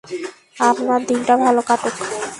আপনার দিনটা ভালো কাটুক।